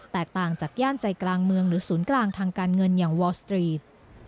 ต่างจากย่านใจกลางเมืองหรือศูนย์กลางทางการเงินอย่างวอลสตรีท